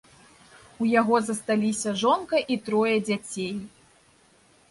У яго засталіся жонка і трое дзяцей.